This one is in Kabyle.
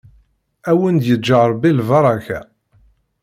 Ad wen-d-yeǧǧ Ṛebbi lbaṛaka.